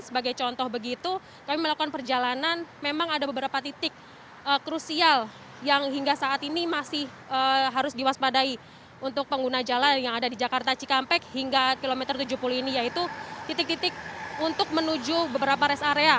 beberapa titik krusial yang hingga saat ini masih harus diwaspadai untuk pengguna jalan yang ada di jakarta cikampek hingga kilometer tujuh puluh ini yaitu titik titik untuk menuju beberapa rest area